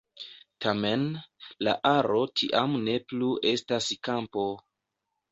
Tamen, la aro tiam ne plu estas kampo.